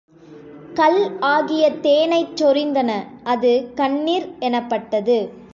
கள் ஆகிய தேனைச் சொரிந்தன அது கண்ணிர் எனப்பட்டது.